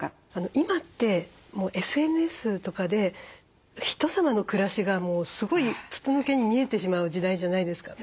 今ってＳＮＳとかでひとさまの暮らしがすごい筒抜けに見えてしまう時代じゃないですか。